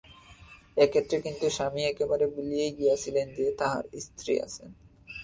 এ ক্ষেত্রে কিন্তু স্বামী একেবারে ভুলিয়াই গিয়াছিলেন যে, তাঁহার স্ত্রী আছেন।